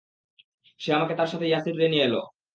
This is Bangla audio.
সে আমাকে তার সাথে ইয়াসরিবে নিয়ে এল।